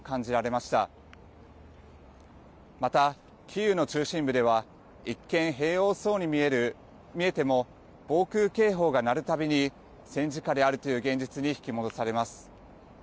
また、キーウの中心部では一見、平穏そうに見えても防空警報が鳴るたびに戦時下であるという現実に引き戻されます。